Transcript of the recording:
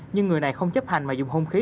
nhưng người này không chấp hành mà dùng hôn khí